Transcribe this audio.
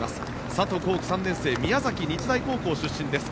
佐藤航希、３年生宮崎日大高校出身です。